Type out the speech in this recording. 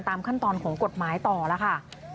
ขั้นตอนของกฎหมายต่อแล้วค่ะ